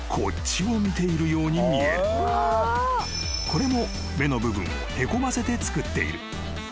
［これも目の部分をへこませて作っている］